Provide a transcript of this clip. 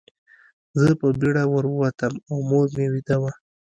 زه په بېړه ور ووتم او مور مې ویده وه